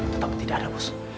tidak ada bos